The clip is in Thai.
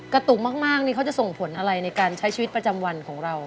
กระตุกมากนี่เขาจะส่งผลอะไรในการใช้ชีวิตประจำวันของเรา